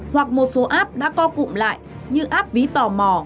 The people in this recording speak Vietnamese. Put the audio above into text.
hoặc một số app đã co cụm lại như app ví tò mò